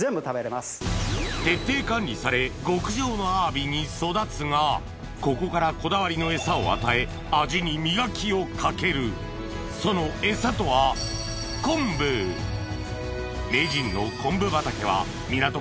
徹底管理され極上のアワビに育つがここからこだわりの餌を与え味に磨きをかけるその餌とは名人の昆布畑はこれね名人。